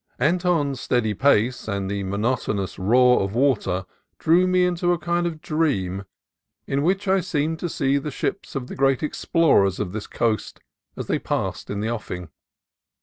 Anton's steady pace and the monotonous roar of water drew me into a kind of dream in which I seemed to see the ships of the great explorers of this coast as they passed in the offing.